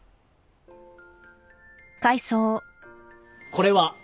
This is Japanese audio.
これは？